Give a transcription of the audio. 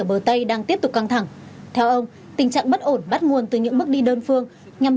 ở bờ tây đang tiếp tục căng thẳng theo ông tình trạng bất ổn bắt nguồn từ những bước đi đơn phương nhằm